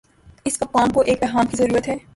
اس وقت قوم کو ایک پیغام کی ضرورت ہے۔